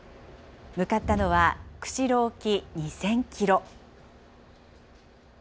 向かったのは釧路沖２０００キロ。